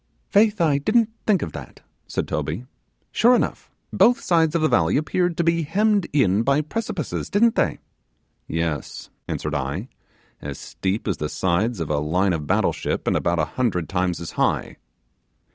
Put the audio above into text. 'Faith, I didn't think of that,' said Toby; 'sure enough, both sides of the valley appeared to be hemmed in by precipices, didn't they?' 'Yes,' answered I, 'as steep as the sides of a line of battle ship, and about a hundred times as high.